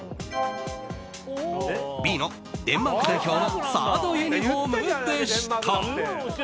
Ｂのデンマーク代表のサードユニホームでした。